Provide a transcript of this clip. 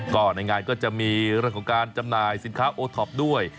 ก็ในงานก็จะมีเรื่องของการจำหน่ายสินค้าโอท็อปด้วย